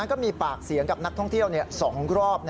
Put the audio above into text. ก็มีปากเสียงกับนักท่องเที่ยว๒รอบ